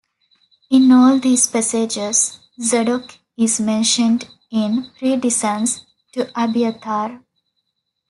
In all these passages Zadok is mentioned in precedence to Abiathar.